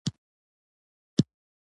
رسول الله ﷺ د خدیجې رض سره تجارت کاوه.